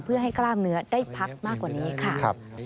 เพื่อให้กล้ามเนื้อได้พักมากกว่านี้ค่ะ